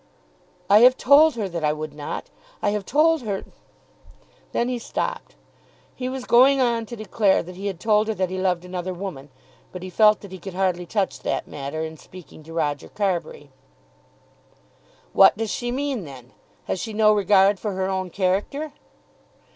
"I have told her that I would not. I have told her ." Then he stopped. He was going on to declare that he had told her that he loved another woman, but he felt that he could hardly touch that matter in speaking to Roger Carbury. "What does she mean then? Has she no regard for her own character?"